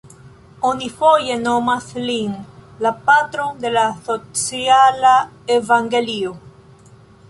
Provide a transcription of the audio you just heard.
Oni foje nomas lin "la Patro de la Sociala Evangelio".